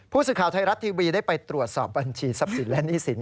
ผู้สื่อข่าวไทยรัฐทีวีได้ไปตรวจสอบบัญชีทรัพย์สินและหนี้สิน